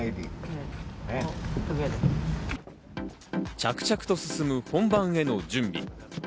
着々と進む本番への準備。